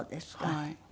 はい。